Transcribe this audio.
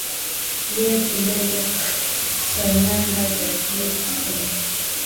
ndiyo kilele cha Nyanda za Juu Kusini